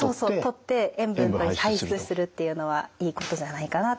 とって塩分を排出するっていうのはいいことじゃないかなと。